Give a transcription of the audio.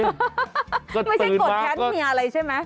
ไม่ใช่กดแทนมีอะไรใช่ไหม